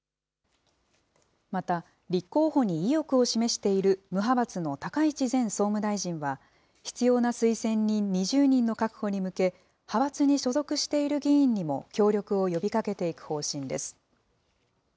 また、立候補に意欲を示している無派閥の高市前総務大臣は、必要な推薦人２０人の確保に向け、派閥に所属している議員にも協力を呼びかけていく方針です。